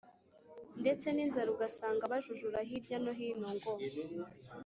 ndetse n’inzara ugasanga bajujura hirya no hino ngo